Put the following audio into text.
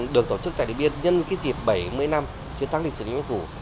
được tổ chức tại điện biên nhân dịp bảy mươi năm chiến thắng lịch sử lý văn phủ